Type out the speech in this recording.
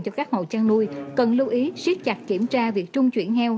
cho các hộ chăn nuôi cần lưu ý siết chặt kiểm tra việc trung chuyển heo